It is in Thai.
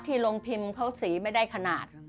โรงพิมพ์เขาสีไม่ได้ขนาด